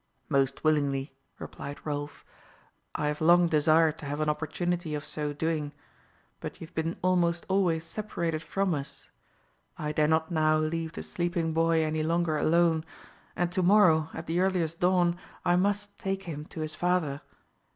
"Most willingly," replied Rolf. "I have long desired to have an opportunity of so doing; but you have been almost always separated from us. I dare not now leave the sleeping boy any longer alone; and to morrow, at the earliest dawn, I must take him to his father.